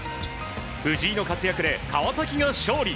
藤井の活躍で川崎が勝利。